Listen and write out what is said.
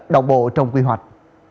đồng bộ trong quy hoạch